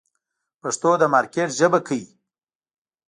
پښتو د مارکېټ ژبه کړئ.